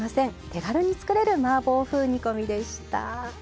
手軽に作れるマーボー風煮込みでした。